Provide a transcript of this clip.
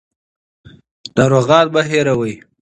ناروغان مه هېروئ.